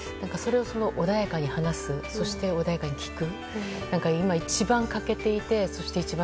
穏やかに話すそして穏やかに聞く。